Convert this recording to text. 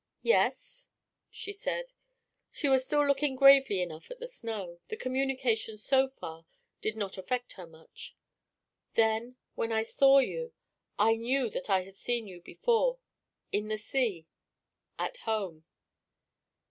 "Yes?" she said; she was still looking gravely enough at the snow. The communication so far did not affect her much. "Then, when I saw you, I knew that I had seen you before in the sea at home."